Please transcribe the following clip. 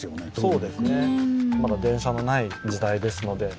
まだ電車のない時代ですので。